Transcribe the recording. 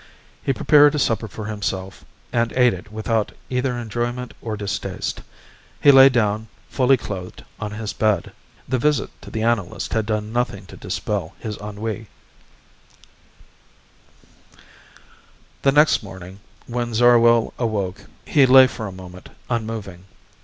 He prepared a supper for himself and ate it without either enjoyment or distaste. He lay down, fully clothed, on his bed. The visit to the analyst had done nothing to dispel his ennui. The next morning when Zarwell awoke he lay for a moment, unmoving.